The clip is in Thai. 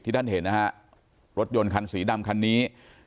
ท่านเห็นนะฮะรถยนต์คันสีดำคันนี้